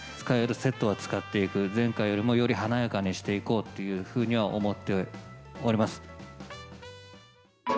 使えるセットは使っていく、前回よりもより華やかにしていこうというふうには思っております。